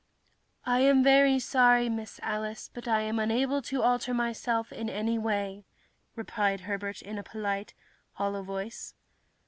"I am very sorry, Miss Alice, but I am unable to alter myself in any way," replied Herbert in his polite, hollow voice.